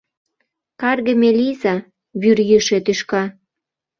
Каргыме лийза, вӱрйӱшӧ тӱшка!